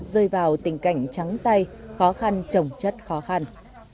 rơi vào tình cảnh trắng tay khó khăn trồng chất khó khăn